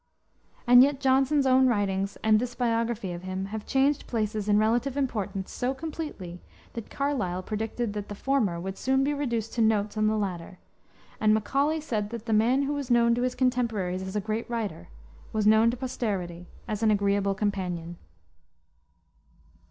And yet Johnson's own writings and this biography of him have changed places in relative importance so completely, that Carlyle predicted that the former would soon be reduced to notes on the latter; and Macaulay said that the man who was known to his contemporaries as a great writer was known to posterity as an agreeable companion.